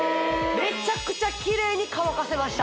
めちゃくちゃキレイに乾かせました